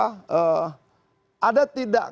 ada tidak kemudian larangan dari pemerintah